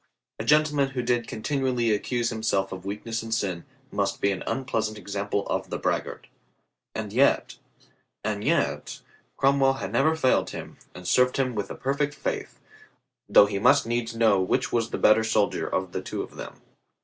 A gentleman who did continually accuse himself of weakness and sin, must be an unpleasant example of the braggart. And yet — and yet — Cromwell had never failed him, had served him with a perfect faith, though he must needs know which was the better soldier of the two of them.